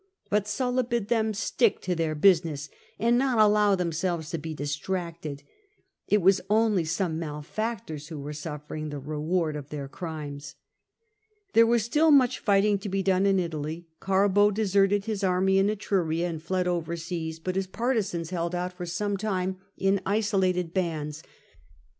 But Sulla bid them "" stick to their business and not allow themselves to be dis tracted ; it was only some malefactors who were suffering the reward of their crimes." There was still much fighting to be done in Italy: Carbo deserted his army in Etruria and fled over seas, but his partisans held out for some time in isolated bands.